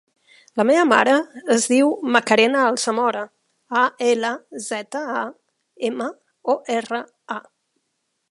La meva mare es diu Macarena Alzamora: a, ela, zeta, a, ema, o, erra, a.